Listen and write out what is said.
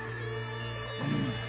うん。